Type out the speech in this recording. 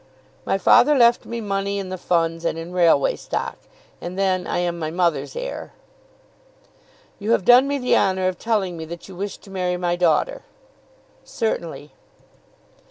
"] "My father left me money in the funds and in railway stock, and then I am my mother's heir." "You have done me the honour of telling me that you wish to marry my daughter." "Certainly."